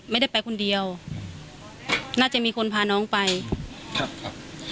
ไม่ได้ไปคนเดียวน่าจะมีคนพาน้องไปครับครับ